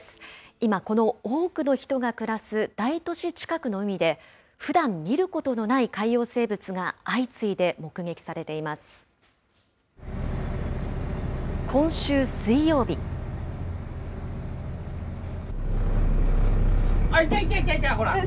今、この多くの人が暮らす大都市近くの海で、ふだん見ることのない海洋生物が相次いで目撃されています。